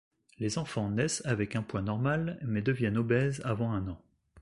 Les enfants naissent avec un poids normal mais deviennent obèses avant un an.